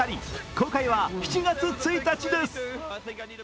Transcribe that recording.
公開は７月１日です。